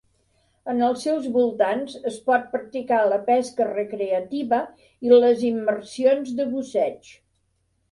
En els seus voltants es pot practicar la pesca recreativa i les immersions de busseig.